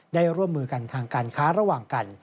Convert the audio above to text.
ได้ร่วมมือกันทางการค้าระหว่างกัน